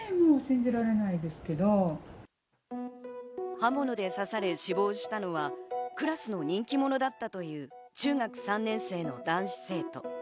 刃物で刺され死亡したのは、クラスの人気者だったという中学３年生の男子生徒。